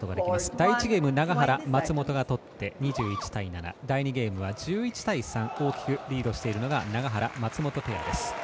第１ゲーム、永原、松本がとって２１対７第２ゲームは１１対３で大きくリードしているのが永原、松本ペアです。